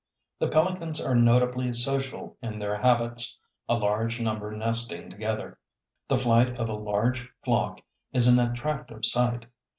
The pelicans are notably social in their habits, a large number nesting together. The flight of a large flock is an attractive sight.